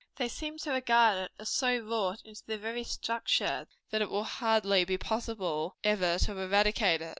They seem to regard it as so wrought into their very structure, that it will hardly be possible ever to eradicate it.